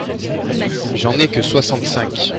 J’en ai que soixante-cinq.